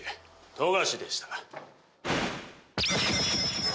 冨樫でした？